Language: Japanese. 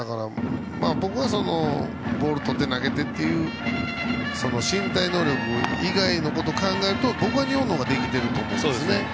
僕はボールをとって投げてという身体能力以外のことを考えると僕は日本の方ができていると思うんですね。